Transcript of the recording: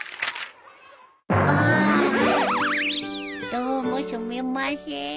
どうもすみません。